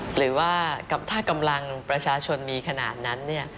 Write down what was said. หรือว่าถ้ากำลังประชาชนมีขนาดนั้น